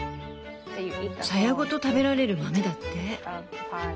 サヤごと食べられる豆だって。